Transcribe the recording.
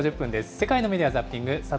世界のメディア・ザッピング。